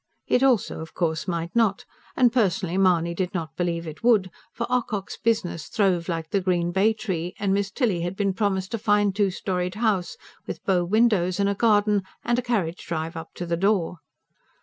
It also, of course, might not and personally Mahony did not believe it would; for Ocock's buisness throve like the green bay tree, and Miss Tilly had been promised a fine two storeyed house, with bow windows and a garden, and a carriage drive up to the door.